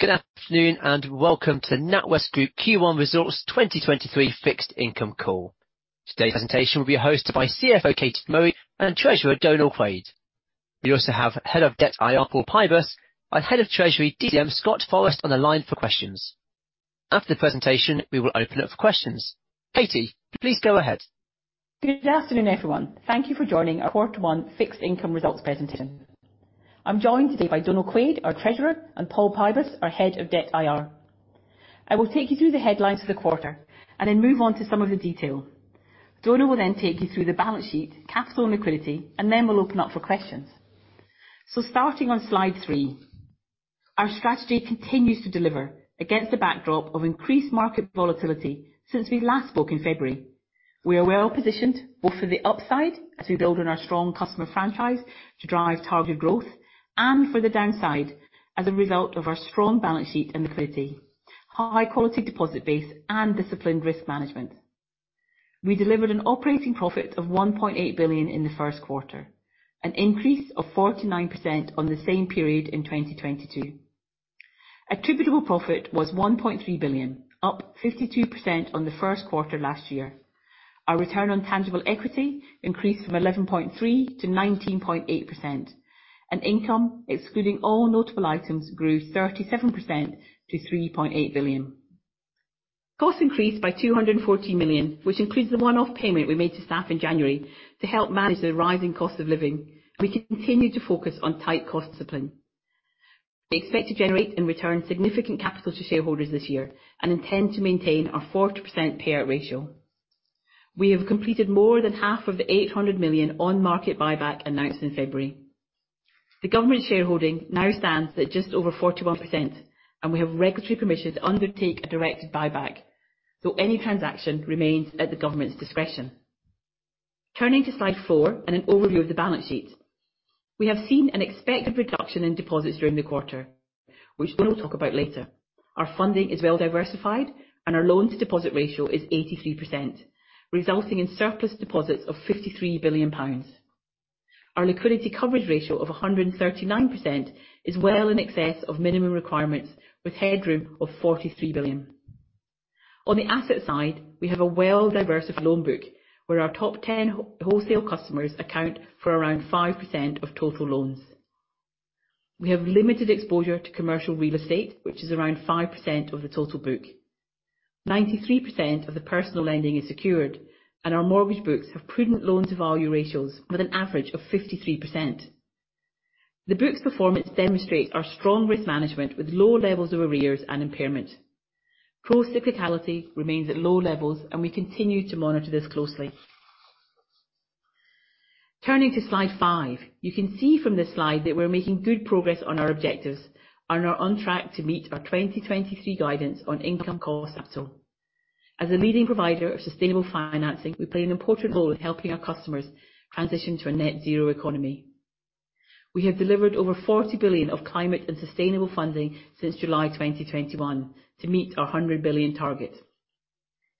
Good afternoon, and welcome to NatWest Group Q1 Results 2023 Fixed Income Call. Today's presentation will be hosted by CFO Katie Murray and Treasurer Donal Quaid. We also have Head of Debt IR, Paul Pybus, our Head of Treasury DCM, Scott Forrest, on the line for questions. After the presentation, we will open up for questions. Katie, please go ahead. Good afternoon, everyone. Thank you for joining our quarter one fixed income results presentation. I'm joined today by Donal Quaid, our Treasurer, and Paul Pybus, our Head of Debt IR. I will take you through the headlines for the quarter and then move on to some of the detail. Donal will then take you through the balance sheet, capital and liquidity, and then we'll open up for questions. Starting on slide 3, our strategy continues to deliver against the backdrop of increased market volatility since we last spoke in February. We are well-positioned, both for the upside as we build on our strong customer franchise to drive targeted growth and for the downside as a result of our strong balance sheet and liquidity, high quality deposit base, and disciplined risk management. We delivered an operating profit of 1.8 billion in the first quarter, an increase of 49% on the same period in 2022. Attributable profit was 1.3 billion, up 52% on the first quarter last year. Our return on tangible equity increased from 11.3%-19.8%. Income, excluding all notable items, grew 37% to 3.8 billion. Costs increased by 240 million, which includes the one-off payment we made to staff in January to help manage the rising cost of living, and we continue to focus on tight cost discipline. We expect to generate and return significant capital to shareholders this year and intend to maintain our 40% payout ratio. We have completed more than half of the 800 million on market buyback announced in February. The government shareholding now stands at just over 41%. We have regulatory permission to undertake a directed buyback, though any transaction remains at the government's discretion. Turning to slide 4. An overview of the balance sheet. We have seen an expected reduction in deposits during the quarter, which Donal will talk about later. Our funding is well diversified. Our loan-to-deposit ratio is 83%, resulting in surplus deposits of 53 billion pounds. Our liquidity coverage ratio of 139% is well in excess of minimum requirements with headroom of 43 billion. On the asset side, we have a well-diversified loan book, where our top 10 wholesale customers account for around 5% of total loans. We have limited exposure to commercial real estate, which is around 5% of the total book. 93% of the personal lending is secured, and our mortgage books have prudent loan-to-value ratios with an average of 53%. The book's performance demonstrates our strong risk management, with low levels of arrears and impairment. Procyclicality remains at low levels, and we continue to monitor this closely. Turning to slide 5. You can see from this slide that we're making good progress on our objectives and are on track to meet our 2023 guidance on income, cost, capital. As a leading provider of sustainable financing, we play an important role in helping our customers transition to a net zero economy. We have delivered over 40 billion of climate and sustainable funding since July 2021 to meet our 100 billion target.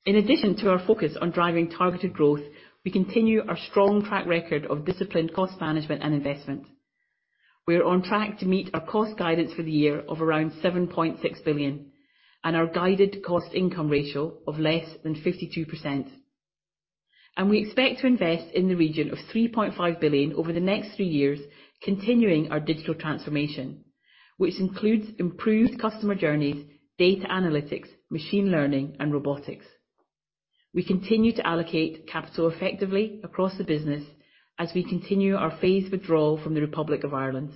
In addition to our focus on driving targeted growth, we continue our strong track record of disciplined cost management and investment. We're on track to meet our cost guidance for the year of around 7.6 billion and our guided cost-income ratio of less than 52%. We expect to invest in the region of 3.5 billion over the next three years, continuing our digital transformation, which includes improved customer journeys, data analytics, machine learning, and robotics. We continue to allocate capital effectively across the business as we continue our phased withdrawal from the Republic of Ireland.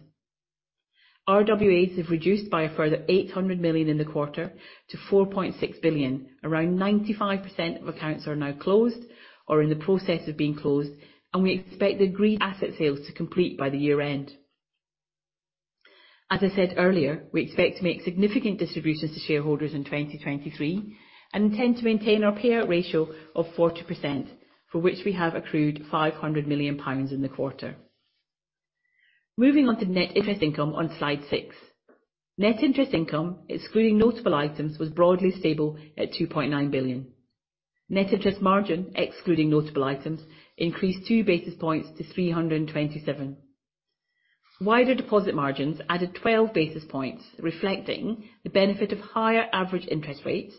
RWAs have reduced by a further 800 million in the quarter to 4.6 billion. Around 95% of accounts are now closed or in the process of being closed, and we expect the agreed asset sales to complete by the year-end. As I said earlier, we expect to make significant distributions to shareholders in 2023 and intend to maintain our payout ratio of 40%, for which we have accrued 500 million pounds in the quarter. Moving on to net interest income on slide 6. Net interest income, excluding notable items, was broadly stable at 2.9 billion. Net interest margin, excluding notable items, increased 2 basis points to 327. Wider deposit margins added 12 basis points, reflecting the benefit of higher average interest rates,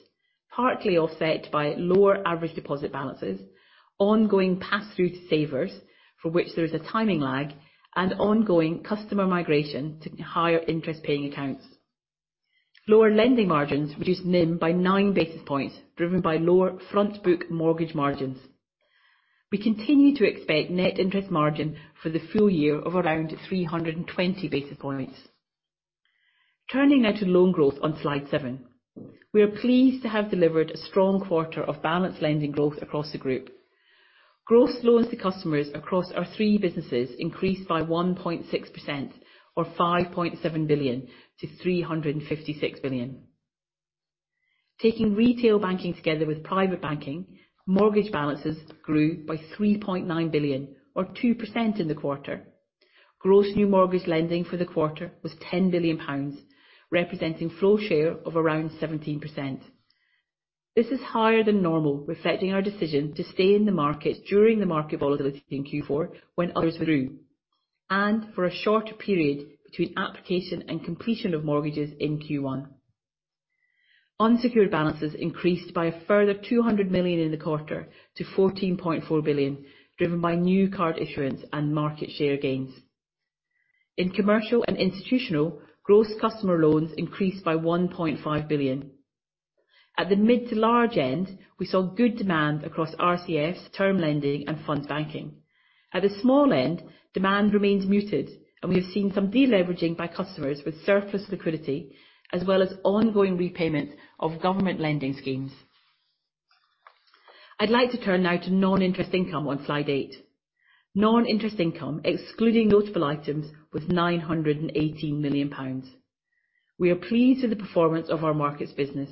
partly offset by lower average deposit balances, ongoing pass-through to savers, for which there is a timing lag, and ongoing customer migration to higher interest-paying accounts. Lower lending margins reduced NIM by 9 basis points, driven by lower front book mortgage margins. We continue to expect net interest margin for the full year of around 320 basis points. Turning now to loan growth on slide 7. We are pleased to have delivered a strong quarter of balanced lending growth across the group. Gross loans to customers across our three businesses increased by 1.6% or 5.7 billion to 356 billion. Taking retail banking together with private banking, mortgage balances grew by 3.9 billion or 2% in the quarter. Gross new mortgage lending for the quarter was 10 billion pounds, representing flow share of around 17%. This is higher than normal, reflecting our decision to stay in the market during the market volatility in Q4, when others withdrew, and for a shorter period between application and completion of mortgages in Q1. Unsecured balances increased by a further 200 million in the quarter to 14.4 billion, driven by new card issuance and market share gains. In commercial and institutional, gross customer loans increased by 1.5 billion. At the mid to large end, we saw good demand across RCS, term lending, and funds banking. At the small end, demand remains muted, and we have seen some de-leveraging by customers with surplus liquidity, as well as ongoing repayment of government lending schemes. I'd like to turn now to non-interest income on slide eight. Non-interest income, excluding notable items, was 918 million pounds. We are pleased with the performance of our Markets business,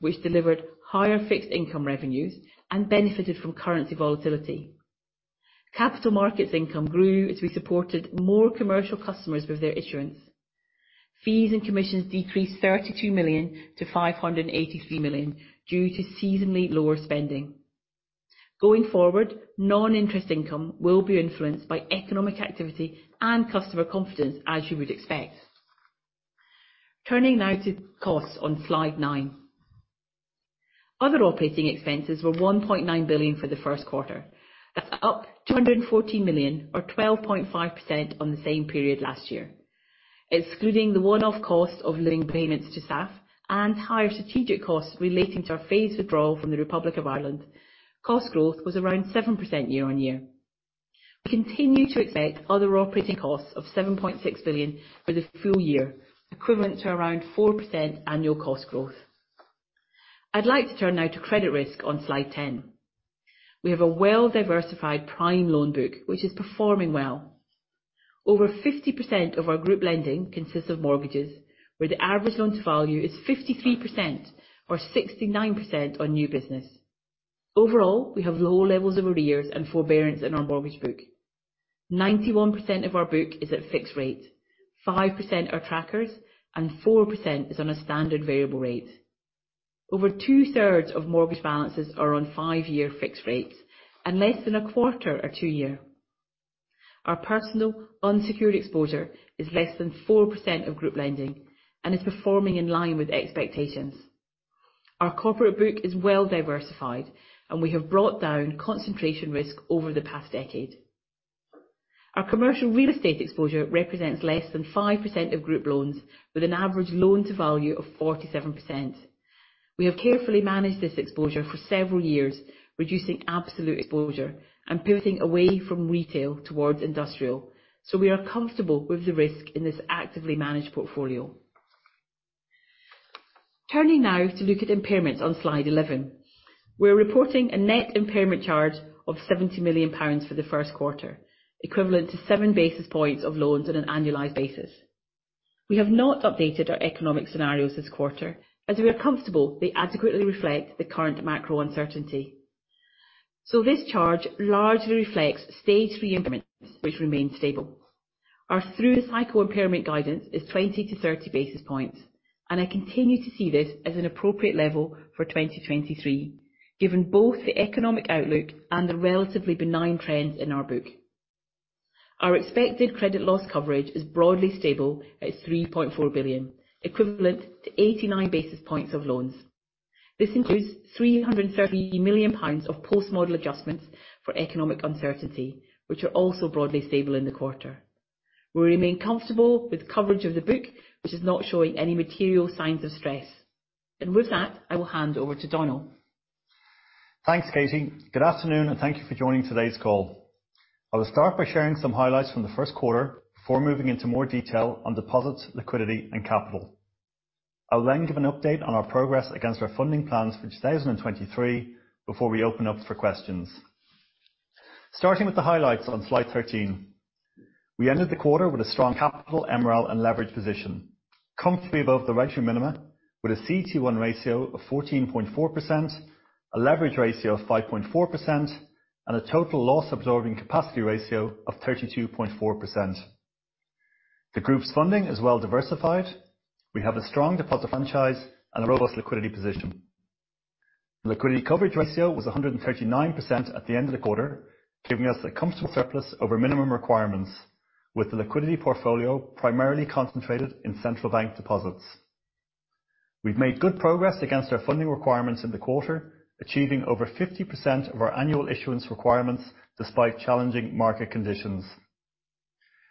which delivered higher fixed income revenues and benefited from currency volatility. Capital markets income grew as we supported more commercial customers with their issuance. Fees and commissions decreased 32 million to 583 million due to seasonally lower spending. Going forward, non-interest income will be influenced by economic activity and customer confidence, as you would expect. Turning now to costs on slide 9. Other operating expenses were 1.9 billion for the first quarter. That's up 214 million or 12.5% on the same period last year. Excluding the one-off cost of living payments to staff and higher strategic costs relating to our phased withdrawal from the Republic of Ireland, cost growth was around 7% year-on-year. We continue to expect other operating costs of 7.6 billion for the full year, equivalent to around 4% annual cost growth. I'd like to turn now to credit risk on slide 10. We have a well-diversified prime loan book, which is performing well. Over 50% of our group lending consists of mortgages, where the average loans value is 53% or 69% on new business. Overall, we have low levels of arrears and forbearance in our mortgage book. 91% of our book is at fixed rate, 5% are trackers, and 4% is on a standard variable rate. Over two-thirds of mortgage balances are on five-year fixed rates and less than a quarter are two year. Our personal unsecured exposure is less than 4% of group lending and is performing in line with expectations. Our corporate book is well diversified and we have brought down concentration risk over the past decade. Our commercial real estate exposure represents less than 5% of group loans with an average loan to value of 47%. We have carefully managed this exposure for several years, reducing absolute exposure and pivoting away from retail towards industrial. We are comfortable with the risk in this actively managed portfolio. Turning now to look at impairment on slide 11. We're reporting a net impairment charge of 70 million pounds for the first quarter, equivalent to 7 basis points of loans on an annualized basis. We have not updated our economic scenarios this quarter, as we are comfortable they adequately reflect the current macro uncertainty. This charge largely reflects stage three impairments, which remain stable. Our through-the-cycle impairment guidance is 20-30 basis points, and I continue to see this as an appropriate level for 2023, given both the economic outlook and the relatively benign trends in our book. Our expected credit loss coverage is broadly stable at 3.4 billion, equivalent to 89 basis points of loans. This includes GBP 330 million of post-model adjustments for economic uncertainty, which are also broadly stable in the quarter. We remain comfortable with coverage of the book, which is not showing any material signs of stress. With that, I will hand over to Donal. Thanks, Katie. Good afternoon, and thank you for joining today's call. I will start by sharing some highlights from the first quarter before moving into more detail on deposits, liquidity, and capital. I will then give an update on our progress against our funding plans for 2023, before we open up for questions. Starting with the highlights on slide 13. We ended the quarter with a strong capital MREL and leverage position, comfortably above the regulatory minima with a CET1 ratio of 14.4%, a leverage ratio of 5.4%, and a total loss absorbing capacity ratio of 32.4%. The group's funding is well diversified. We have a strong deposit franchise and a robust liquidity position. Liquidity coverage ratio was 139% at the end of the quarter, giving us a comfortable surplus over minimum requirements, with the liquidity portfolio primarily concentrated in central bank deposits. We've made good progress against our funding requirements in the quarter, achieving over 50% of our annual issuance requirements despite challenging market conditions.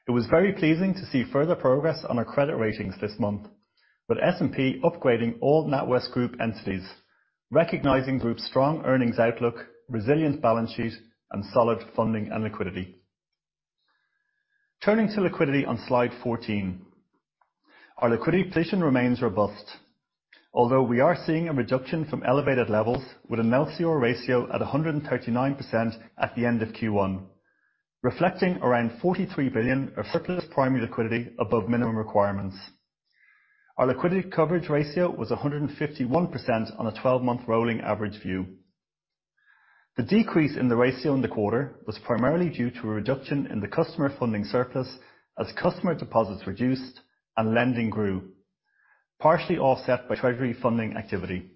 It was very pleasing to see further progress on our credit ratings this month, with S&P upgrading all NatWest Group entities, recognizing Group's strong earnings outlook, resilient balance sheet, and solid funding and liquidity. Turning to liquidity on slide 14. Our liquidity position remains robust, although we are seeing a reduction from elevated levels with a LCR ratio at 139% at the end of Q1, reflecting around 43 billion of surplus primary liquidity above minimum requirements. Our liquidity coverage ratio was 151% on a 12-month rolling average view. The decrease in the ratio in the quarter was primarily due to a reduction in the customer funding surplus as customer deposits reduced and lending grew, partially offset by treasury funding activity.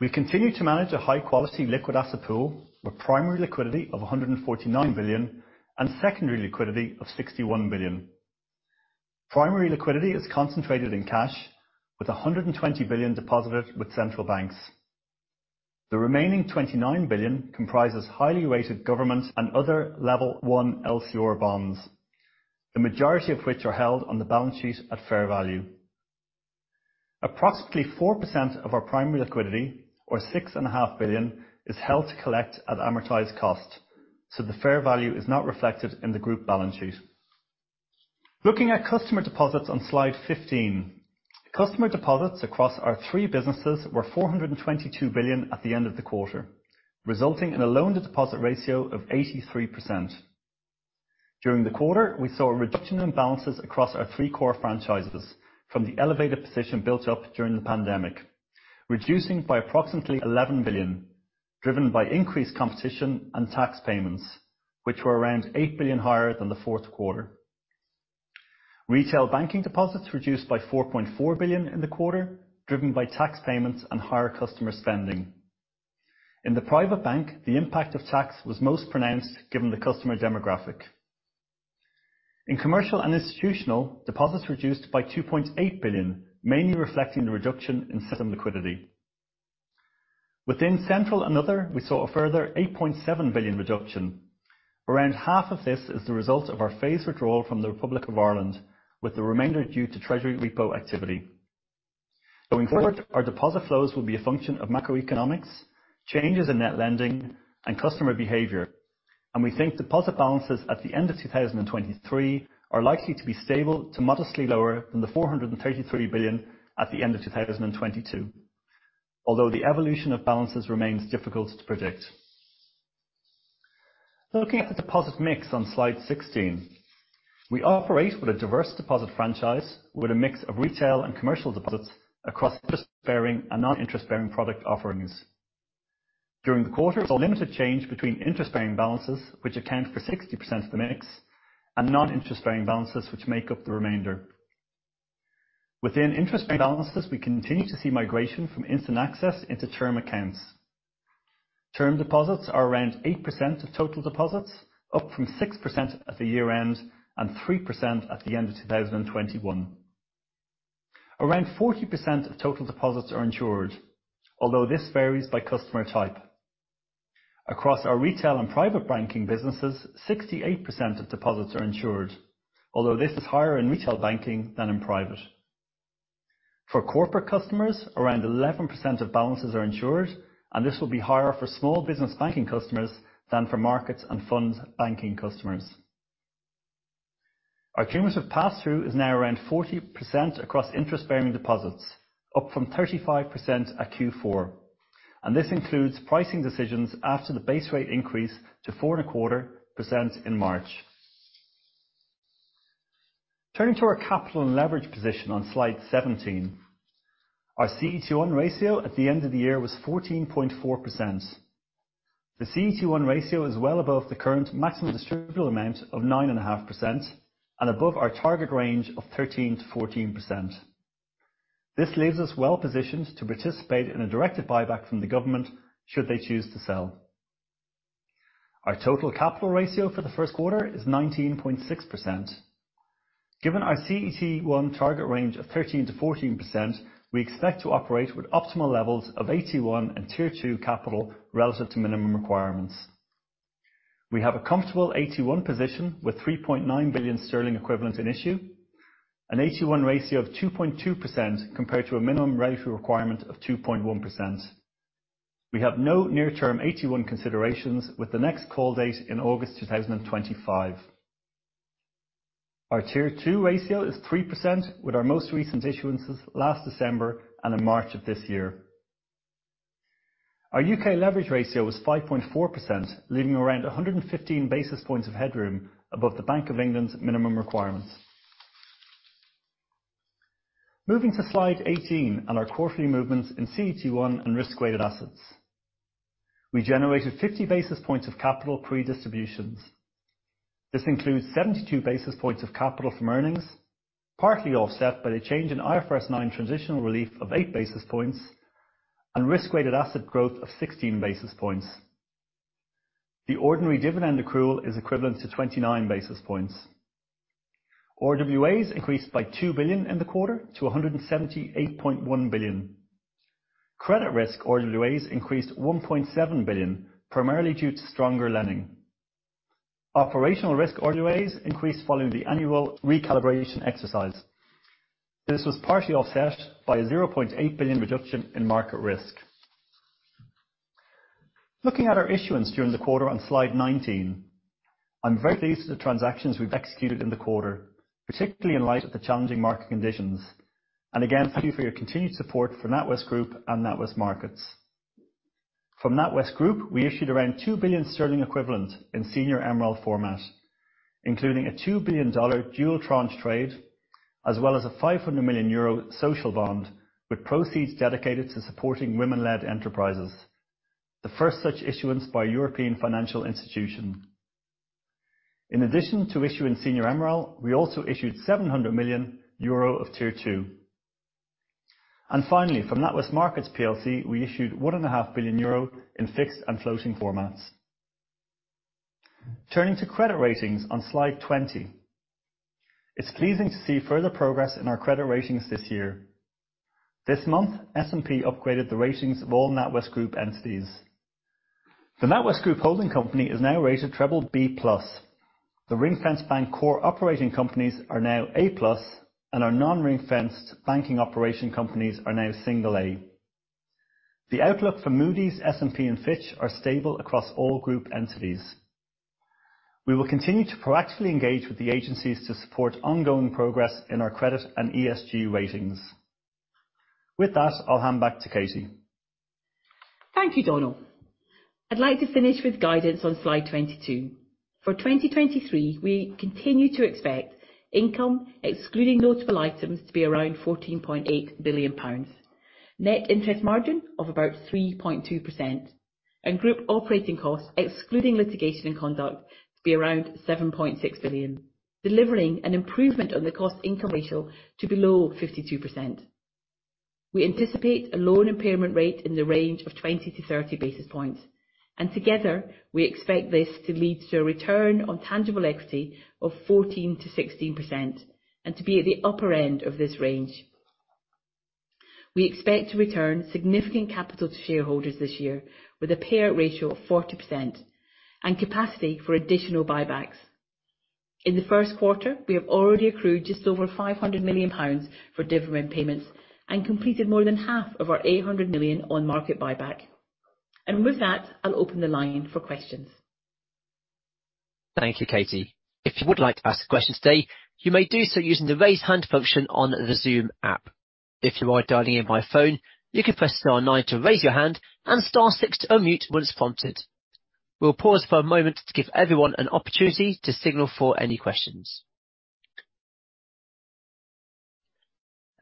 We continue to manage a high-quality liquid asset pool, with primary liquidity of 149 billion and secondary liquidity of 61 billion. Primary liquidity is concentrated in cash with 120 billion deposited with central banks. The remaining 29 billion comprises highly rated government and other Level 1 LCR bonds, the majority of which are held on the balance sheet at fair value. Approximately 4% of our primary liquidity, or 6.5 billion, is held to collect at amortized cost, so the fair value is not reflected in the group balance sheet. Looking at customer deposits on slide 15, customer deposits across our three businesses were 422 billion at the end of the quarter, resulting in a loan-to-deposit ratio of 83%. During the quarter, we saw a reduction in balances across our three core franchises from the elevated position built up during the pandemic, reducing by approximately 11 billion, driven by increased competition and tax payments, which were around 8 billion higher than the fourth quarter. Retail banking deposits reduced by 4.4 billion in the quarter, driven by tax payments and higher customer spending. In the private bank, the impact of tax was most pronounced given the customer demographic. In commercial and institutional, deposits reduced by 2.8 billion, mainly reflecting the reduction in system liquidity. Within central and other, we saw a further 8.7 billion reduction. Around half of this is the result of our phased withdrawal from the Republic of Ireland, with the remainder due to Treasury repo activity. Going forward, our deposit flows will be a function of macroeconomics, changes in net lending, and customer behavior. We think deposit balances at the end of 2023 are likely to be stable to modestly lower than 433 billion at the end of 2022, although the evolution of balances remains difficult to predict. Looking at the deposit mix on slide 16. We operate with a diverse deposit franchise with a mix of retail and commercial deposits across interest-bearing and non-interest-bearing product offerings. During the quarter, we saw limited change between interest-bearing balances, which account for 60% of the mix, and non-interest-bearing balances, which make up the remainder. Within interest-bearing balances, we continue to see migration from instant access into term accounts. Term deposits are around 8% of total deposits, up from 6% at the year-end and 3% at the end of 2021. Around 40% of total deposits are insured, although this varies by customer type. Across our retail and private banking businesses, 68% of deposits are insured, although this is higher in retail banking than in private. For corporate customers, around 11% of balances are insured, and this will be higher for small business banking customers than for markets and funds banking customers. Our cumulative pass-through is now around 40% across interest-bearing deposits, up from 35% at Q4, and this includes pricing decisions after the base rate increase to 4.25% in March. Turning to our capital and leverage position on slide 17. Our CET1 ratio at the end of the year was 14.4%. The CET1 ratio is well above the current maximum distributable amount of 9.5% and above our target range of 13%-14%. This leaves us well positioned to participate in a directed buyback from the government should they choose to sell. Our total capital ratio for the first quarter is 19.6%. Given our CET1 target range of 13%-14%, we expect to operate with optimal levels of AT1 and Tier 2 capital relative to minimum requirements. We have a comfortable AT1 position with 3.9 billion sterling equivalent in issue, an AT1 ratio of 2.2% compared to a minimum regulatory requirement of 2.1%. We have no near-term AT1 considerations with the next call date in August 2025. Our Tier 2 ratio is 3% with our most recent issuances last December and in March of this year. Our U.K. leverage ratio was 5.4%, leaving around 115 basis points of headroom above the Bank of England's minimum requirements. Moving to slide 18 on our quarterly movements in CET1 and Risk-Weighted Assets. We generated 50 basis points of capital pre-distributions. This includes 72 basis points of capital from earnings, partly offset by the change in IFRS 9 transitional relief of 8 basis points and Risk-Weighted Asset growth of 16 basis points. The ordinary dividend accrual is equivalent to 29 basis points. RWAs increased by 2 billion in the quarter to 178.1 billion. Credit risk RWAs increased 1.7 billion, primarily due to stronger lending. Operational risk RWAs increased following the annual recalibration exercise. This was partially offset by a 0.8 billion reduction in market risk. Looking at our issuance during the quarter on slide 19, I'm very pleased with the transactions we've executed in the quarter, particularly in light of the challenging market conditions. Thank you for your continued support for NatWest Group and NatWest Markets. From NatWest Group, we issued around 2 billion sterling equivalent in senior preferred format. Including a $2 billion dual tranche trade, as well as a 500 million euro social bond, with proceeds dedicated to supporting women-led enterprises. The first such issuance by a European financial institution. In addition to issuing Senior MREL, we also issued 700 million euro of Tier 2. Finally, from NatWest Markets Plc, we issued one and a half billion euro in fixed and floating formats. Turning to credit ratings on slide 20. It's pleasing to see further progress in our credit ratings this year. This month, S&P upgraded the ratings of all NatWest Group entities. The NatWest Group holding company is now rated triple B+. The ring-fence bank core operating companies are now A+, and our non-ring-fenced banking operation companies are now A. The outlook for Moody's, S&P, and Fitch are stable across all group entities. We will continue to proactively engage with the agencies to support ongoing progress in our credit and ESG ratings. With that, I'll hand back to Katie. Thank you, Donal. I'd like to finish with guidance on slide 22. For 2023, we continue to expect income, excluding notable items, to be around 14.8 billion pounds. Net interest margin of about 3.2%, group operating costs, excluding litigation and conduct, to be around 7.6 billion, delivering an improvement on the cost-income ratio to below 52%. We anticipate a loan impairment rate in the range of 20 to 30 basis points, together, we expect this to lead to a return on tangible equity of 14%-16% and to be at the upper end of this range. We expect to return significant capital to shareholders this year with a payout ratio of 40% and capacity for additional buybacks. In the first quarter, we have already accrued just over 500 million pounds for dividend payments and completed more than half of our 800 million on market buyback. With that, I'll open the line for questions. Thank you, Katie. If you would like to ask a question today, you may do so using the Raise Hand function on the Zoom app. If you are dialing in by phone, you can press star nine to raise your hand and star six to unmute once prompted. We'll pause for a moment to give everyone an opportunity to signal for any questions.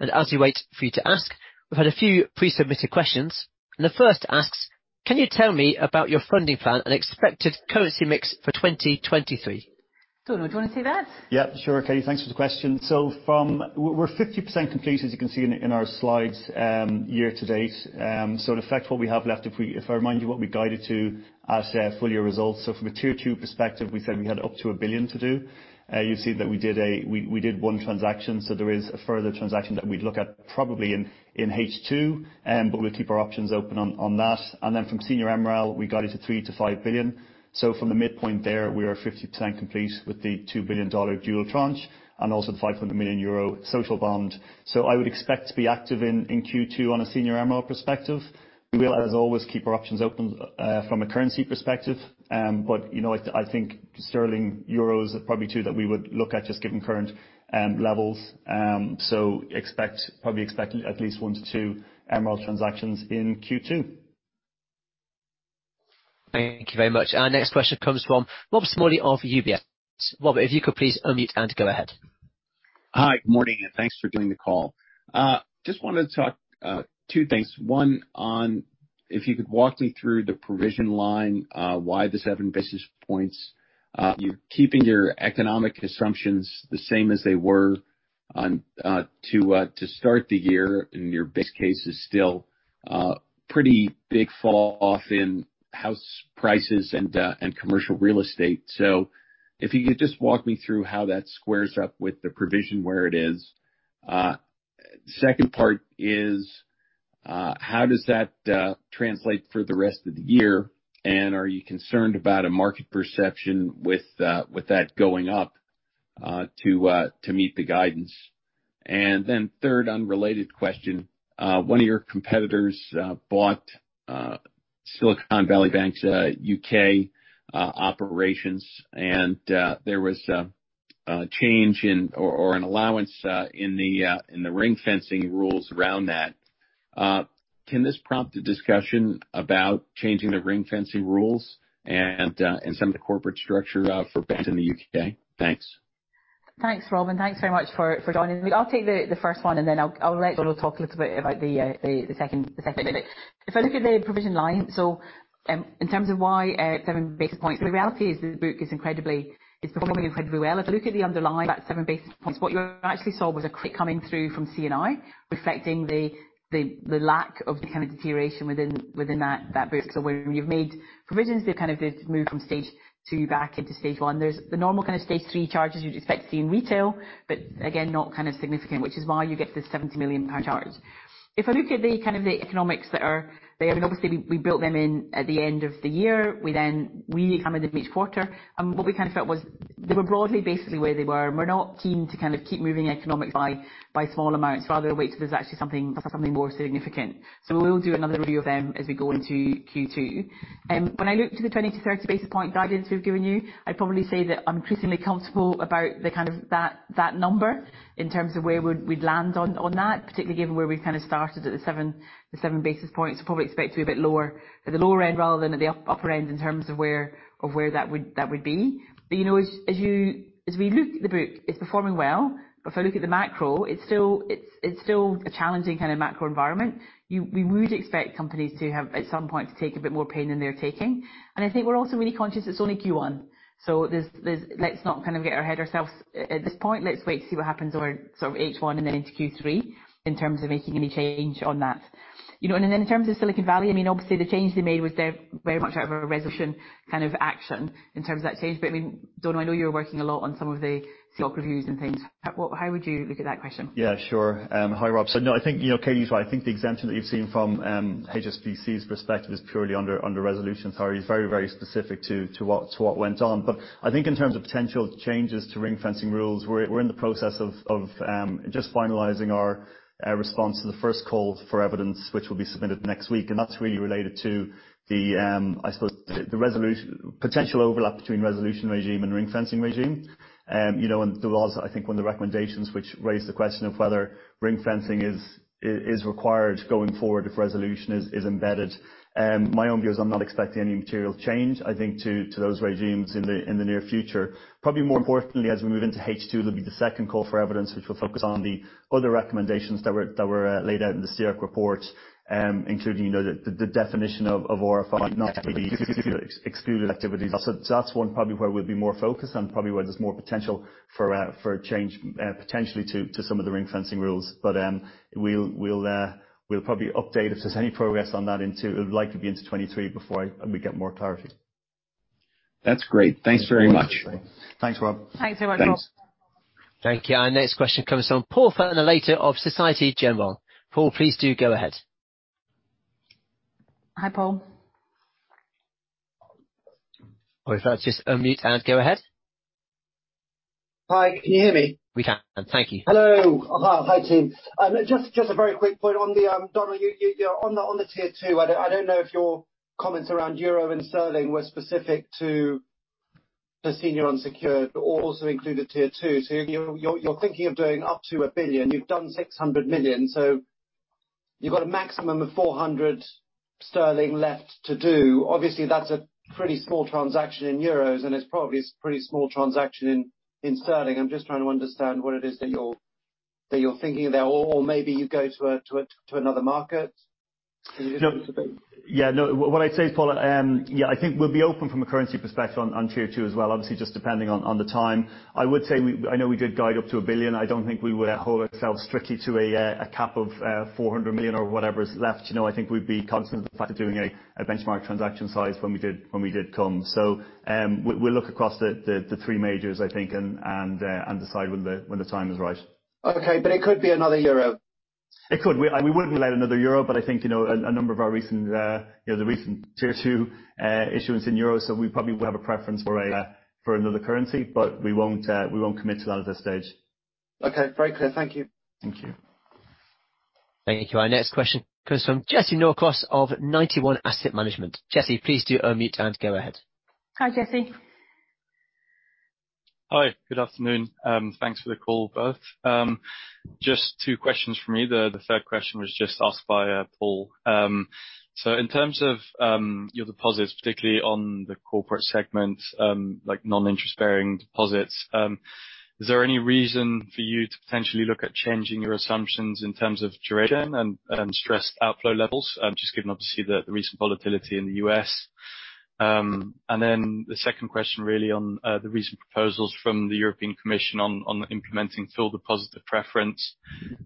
As we wait for you to ask, we've had a few pre-submitted questions. The first asks: Can you tell me about your funding plan and expected currency mix for 2023? Donal, do you wanna take that? Yeah, sure, Katie. Thanks for the question. From-- We're 50% complete, as you can see in our slides, year to date. In effect, what we have left, if I remind you what we guided to at full year results. From a Tier 2 perspective, we said we had up to 1 billion to do. You see that we did one transaction, so there is a further transaction that we'd look at probably in H2. We'll keep our options open on that. Then from Senior MREL, we got into 3 billion-5 billion. From the midpoint there, we are 50% complete with the $2 billion dual tranche and also the 500 million euro social bond. I would expect to be active in Q2 on a Senior MREL perspective. We'll, as always, keep our options open from a currency perspective. You know, I think sterling euros are probably two that we would look at just given current levels. Probably expect at least one to two MREL transactions in Q2. Thank you very much. Our next question comes from Robert Smalley of UBS. Robert, if you could please unmute and go ahead. Hi. Morning, and thanks for doing the call. Just wanted to talk two things. One on if you could walk me through the provision line, why the 7 basis points? You're keeping your economic assumptions the same as they were on to start the year, and your base case is still pretty big fall off in house prices and commercial real estate. If you could just walk me through how that squares up with the provision where it is? Second part is, how does that translate for the rest of the year, and are you concerned about a market perception with that going up to meet the guidance? Third, unrelated question. One of your competitors bought Silicon Valley Bank's U.K. operations. There was a change in or an allowance in the ring-fencing rules around that. Can this prompt a discussion about changing the ring-fencing rules and some of the corporate structure for banks in the U.K.? Thanks. Thanks, Robin. Thanks very much for joining. I'll take the first one, and then I'll let Donal talk a little bit about the second bit. If I look at the provision line, in terms of why a 7 basis points, the reality is the book is incredibly. It's performing incredibly well. If you look at the underlying, that 7 basis points, what you actually saw was a crit coming through from C&I, reflecting the lack of the kind of deterioration within that book. Where you've made provisions, they've kind of moved from Stage 2 back into stage one. There's the normal kind of Stage 3 charges you'd expect to see in retail, but again, not kind of significant, which is why you get the 70 million pound charge. If I look at the, kind of the economics that are there, I mean, obviously we built them in at the end of the year. We then re-examined them each quarter, what we kind of felt was they were broadly, basically where they were, and we're not keen to kind of keep moving economics by small amounts. Rather wait till there's actually something more significant. We will do another review of them as we go into Q2. When I look to the 20-30 basis point guidance we've given you, I'd probably say that I'm increasingly comfortable about the kind of that number in terms of where we'd land on that, particularly given where we've kind of started at the 7 basis points. Probably expect to be a bit lower, at the lower end rather than at the upper end in terms of where that would be. You know, as we look at the book, it's performing well. If I look at the macro, it's still a challenging kind of macro environment. We would expect companies to have at some point to take a bit more pain than they're taking. I think we're also really conscious it's only Q1, so there's, let's not kind of get ahead of ourselves at this point. Let's wait to see what happens over sort of H1 and then into Q3 in terms of making any change on that. You know, in terms of Silicon Valley, I mean, obviously, the change they made was they're very much out of a resolution kind of action in terms of that change. I mean, Donal, I know you're working a lot on some of the CRR reviews and things. How would you look at that question? Hi, Rob. No, I think, you know, Katie's right. I think the exemption that you've seen from HSBC's perspective is purely under resolution. It is very, very specific to what went on. I think in terms of potential changes to ring-fencing rules, we're in the process of just finalizing our response to the first call for evidence, which will be submitted next week. That's really related to the, I suppose the resolution potential overlap between resolution regime and ring-fencing regime. You know, there was, I think one of the recommendations which raised the question of whether ring-fencing is required going forward if resolution is embedded. My own views, I'm not expecting any material change, I think to those regimes in the near future. Probably more importantly, as we move into H2, there'll be the second call for evidence, which will focus on the other recommendations that were laid out in the CRR report, including, you know, the definition of RFB, not maybe excluded activities. That's one probably where we'll be more focused on probably where there's more potential for change, potentially to some of the ring-fencing rules. We'll probably update if there's any progress on that into it likely be into 2023 before we get more clarity. That's great. Thanks very much. Thanks, Rob. Thanks very much. Thanks. Thank you. Our next question comes from Paul Fenner-Leitao of Société Générale. Paul, please do go ahead. Hi, Paul. If I just unmute and go ahead. Hi. Can you hear me? We can. Thank you. Hello. Hi, team. Just a very quick point on the Donal, on the Tier 2, I don't know if your comments around euro and sterling were specific to the senior unsecured or also included Tier 2. You're thinking of doing up to 1 billion. You've done 600 million, you've got a maximum of 400 sterling left to do. Obviously, that's a pretty small transaction in euros, and it's probably pretty small transaction in sterling. I'm just trying to understand what it is that you're thinking there, or maybe you go to another market. Can you just? Yeah. No. What I'd say is, Paul, yeah, I think we'll be open from a currency perspective on Tier 2 as well, obviously, just depending on the time. I would say I know we did guide up to 1 billion. I don't think we would hold ourselves strictly to a cap of 400 million or whatever is left. You know, I think we'd be cognizant of the fact of doing a benchmark transaction size when we did come. We'll look across the three majors, I think, and decide when the time is right. Okay. It could be another euro. It could. We wouldn't rule out another euro, but I think, you know, a number of our recent, you know, the recent Tier 2 issuance in euros, so we probably will have a preference for a, for another currency, but we won't commit to that at this stage. Okay. Very clear. Thank you. Thank you. Thank you. Our next question comes from Jesse Norcross of Ninety One Asset Management. Jesse, please do unmute and go ahead. Hi, Jesse. Hi. Good afternoon. Thanks for the call, both. Just two questions from me. The third question was just asked by Paul. In terms of your deposits, particularly on the corporate segment, like non-interest-bearing deposits, is there any reason for you to potentially look at changing your assumptions in terms of duration and stress outflow levels, just given obviously the recent volatility in the U.S. The second question really on the recent proposals from the European Commission on implementing depositor preference,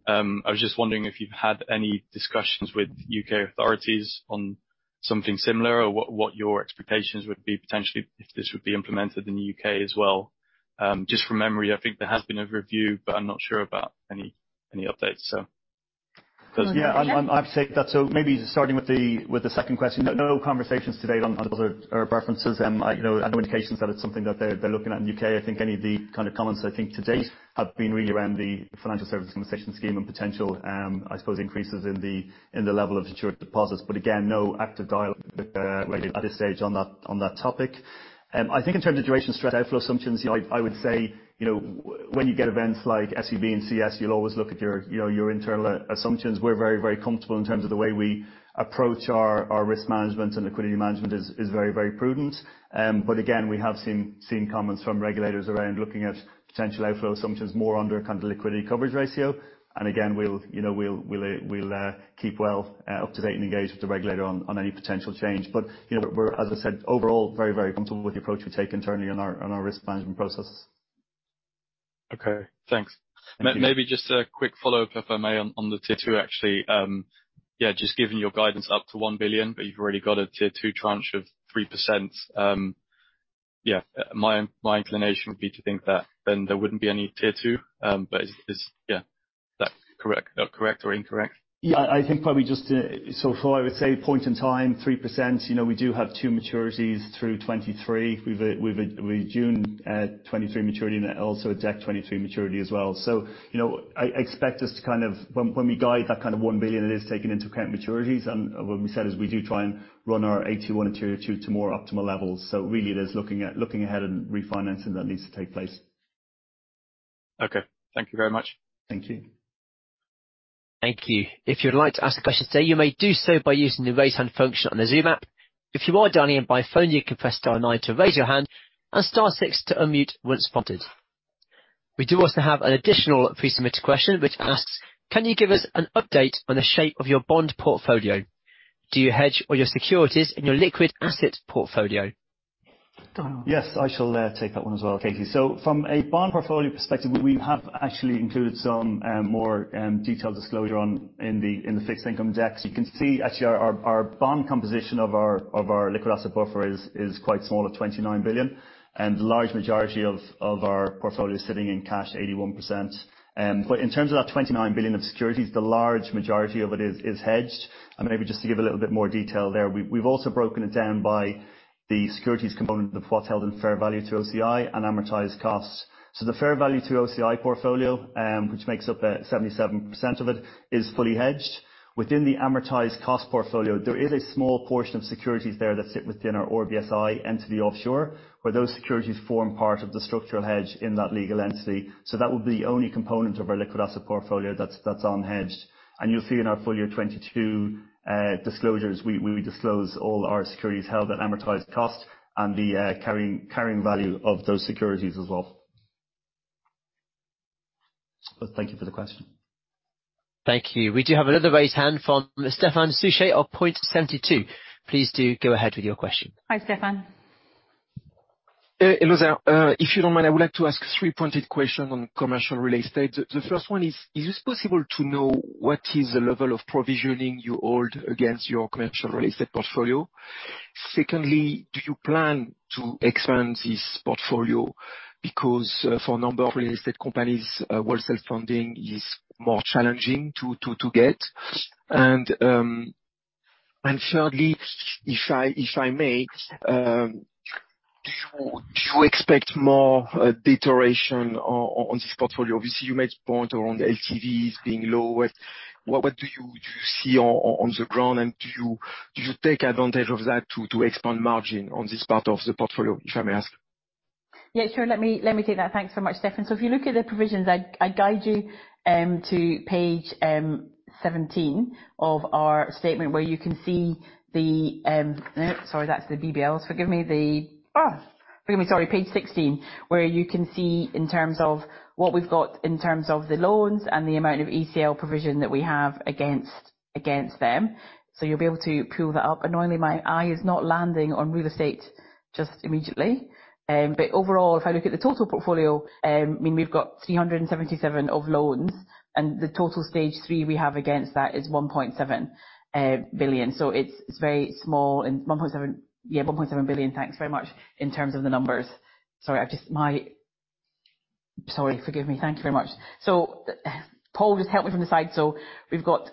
I was just wondering if you've had any discussions with U.K. authorities on something similar or what your expectations would be potentially if this would be implemented in the U.K. as well. Just from memory, I think there has been a review, but I'm not sure about any updates. Yeah. I have to take that. Maybe starting with the second question. No conversations to date on those preferences. You know, no indications that it's something that they're looking at in the U.K. I think any of the kind of comments, I think to date have been really around the Financial Services Compensation Scheme and potential, I suppose increases in the level of insured deposits. Again, no active dialogue really at this stage on that topic. I think in terms of duration stress outflow assumptions, you know, I would say, you know, when you get events like SVB and CS, you'll always look at your, you know, your internal assumptions. We're very comfortable in terms of the way we approach our risk management and liquidity management is very prudent. Again, we have seen comments from regulators around looking at potential outflow assumptions more under kind of liquidity coverage ratio. Again, we'll, you know, we'll keep well up to date and engaged with the regulator on any potential change. You know, we're, as I said, overall, very, very comfortable with the approach we take internally on our risk management process. Okay. Thanks. Thank you. Maybe just a quick follow-up, if I may, on the Tier 2, actually. Yeah, just given your guidance up to 1 billion, but you've already got a Tier 2 tranche of 3%, yeah, my inclination would be to think that then there wouldn't be any Tier 2, but is, yeah. Is that correct or incorrect? Yeah. I think probably I would say point in time, 3%, you know, we do have two maturities through 2023. We've a June 2023 maturity and also a December 2023 maturity as well. You know, I expect us to kind of when we guide that kind of 1 billion, it is taking into account maturities. What we said is we do try and run our AT1 and Tier 2 to more optimal levels. Really it is looking ahead and refinancing that needs to take place. Okay. Thank you very much. Thank you. Thank you. If you'd like to ask a question today, you may do so by using the Raise Hand function on the Zoom app. If you are dialing in by phone, you can press star nine to raise your hand and star six to unmute once spotted. We do also have an additional pre-submitted question which asks, "Can you give us an update on the shape of your bond portfolio? Do you hedge all your securities in your liquid asset portfolio? Yes, I shall take that one as well, Katie. From a bond portfolio perspective, we have actually included some more detailed disclosure on, in the, in the fixed income decks. You can see actually our bond composition of our liquid asset buffer is quite small at 29 billion. The large majority of our portfolio is sitting in cash, 81%. In terms of that 29 billion of securities, the large majority of it is hedged. Maybe just to give a little bit more detail there, we've also broken it down by the securities component of what's held in fair value to OCI and amortized costs. The fair value to OCI portfolio, which makes up 77% of it, is fully hedged. Within the amortized cost portfolio, there is a small portion of securities there that sit within our RBSI entity offshore, where those securities form part of the structural hedge in that legal entity. That would be only component of our liquid asset portfolio that's unhedged. You'll see in our full year 2022 disclosures, we disclose all our securities held at amortized cost and the carrying value of those securities as well. Thank you for the question. Thank you. We do have another raised hand from Stéphane Suchet of Point72. Please do go ahead with your question. Hi, Stéphane. Hello there. If you don't mind, I would like to ask three-pointed question on commercial real estate. The first one is it possible to know what is the level of provisioning you hold against your commercial real estate portfolio? Secondly, do you plan to expand this portfolio? Because for a number of real estate companies, wholesale funding is more challenging to get. Thirdly, if I may, do you expect more deterioration on this portfolio? Obviously, you made a point around LTVs being low. What do you see on the ground, and do you take advantage of that to expand margin on this part of the portfolio, if I may ask? Yeah, sure. Let me take that. Thanks so much, Stéphane. If you look at the provisions, I'd guide you to page 17 of our statement, where you can see the-- No, sorry, that's the BBLs. Forgive me. Forgive me. Sorry, page 16, where you can see in terms of what we've got in terms of the loans and the amount of ECL provision that we have against them. You'll be able to pull that up. Annoyingly, my eye is not landing on real estate just immediately. Overall, if I look at the total portfolio, I mean, we've got 377 of loans, and the total Stage 3 we have against that is 1.7 billion. It's very small. Yeah, 1.7 billion. Thanks very much in terms of the numbers. Sorry, forgive me. Thank you very much. Paul just helped me from the side. We've got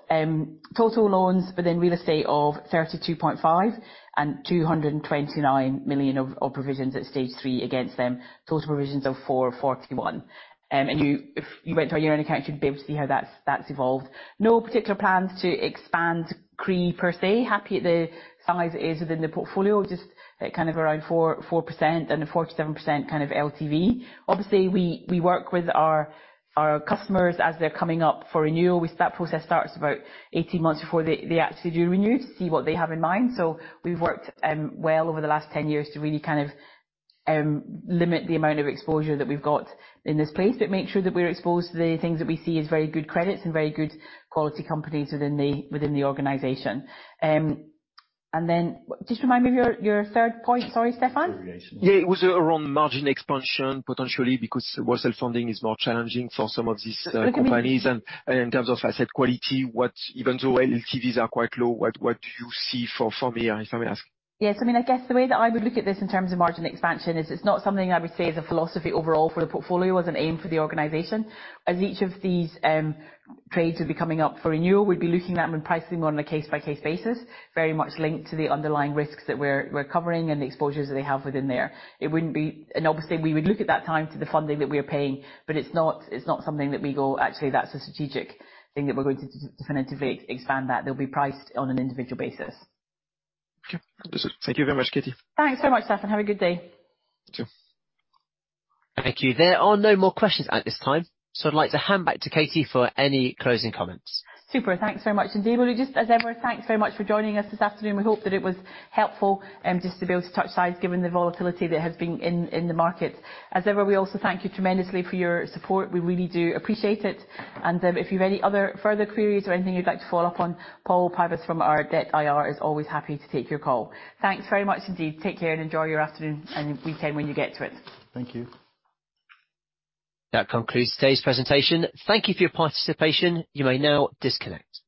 total loans within real estate of 32.5 million and 229 million of provisions at stage three against them. Total provisions of 441 million. You, if you went to our year-end account, you'd be able to see how that's evolved. No particular plans to expand CRE per se. Happy at the size it is within the portfolio. Just at kind of around 4% and a 47% kind of LTV. Obviously, we work with our customers as they're coming up for renewal. That process starts about 18 months before they actually do renew to see what they have in mind. We've worked, well over the last 10 years to really kind of, limit the amount of exposure that we've got in this space, but make sure that we're exposed to the things that we see as very good credits and very good quality companies within the organization. Just remind me of your third point. Sorry, Stéphane. Yeah. It was around margin expansion, potentially, because wholesale funding is more challenging for some of these companies. In terms of asset quality, even though LTVs are quite low, what do you see for me, if I may ask? Yes. I mean, I guess the way that I would look at this in terms of margin expansion is it's not something I would say is a philosophy overall for the portfolio as an aim for the organization. As each of these trades will be coming up for renewal, we'd be looking at them and pricing them on a case-by-case basis, very much linked to the underlying risks that we're covering and the exposures that they have within there. Obviously, we would look at that time to the funding that we are paying, but it's not something that we go, actually, that's a strategic thing that we're going to definitively expand that. They'll be priced on an individual basis. Okay. Understood. Thank you very much, Katie. Thanks so much, Stéphane. Have a good day. Sure. Thank you. There are no more questions at this time. I'd like to hand back to Katie for any closing comments. Super. Thanks very much indeed. Well, just as ever, thanks very much for joining us this afternoon. We hope that it was helpful, just to be able to touch base given the volatility that has been in the market. As ever, we also thank you tremendously for your support. We really do appreciate it. If you've any other further queries or anything you'd like to follow up on, Paul Pybus from our Debt IR is always happy to take your call. Thanks very much indeed. Take care and enjoy your afternoon and weekend when you get to it. Thank you. That concludes today's presentation. Thank you for your participation. You may now disconnect.